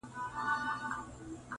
لاسونه راکړه شین خالۍ تسلي مه راکوه